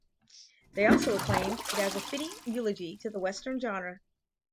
They also acclaimed it as a fitting eulogy to the western genre.